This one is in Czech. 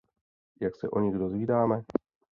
Jak se o nich dozvídáme?